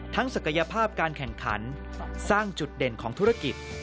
ศักยภาพการแข่งขันสร้างจุดเด่นของธุรกิจ